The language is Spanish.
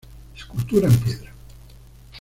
Escultura en piedra.